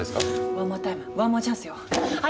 ワンモアタイムワンモアチャンスよ私！